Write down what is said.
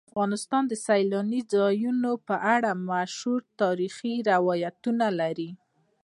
افغانستان د سیلانی ځایونه په اړه مشهور تاریخی روایتونه لري.